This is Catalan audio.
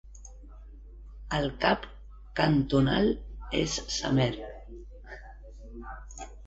El cap cantonal és Samer.